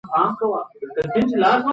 د هغې مهر ئې د هغې ازادول وټاکئ.